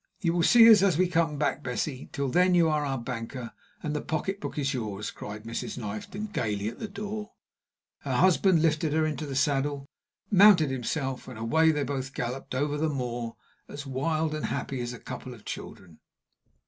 "You will see us as we come back, Bessie. Till then, you are our banker, and the pocketbook is yours," cried Mrs. Knifton, gayly, at the door. Her husband lifted her into the saddle, mounted himself, and away they both galloped over the moor as wild and happy as a couple of children.